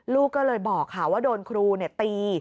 ลูกก็เลยบอกค่ะว่าโดนครูตี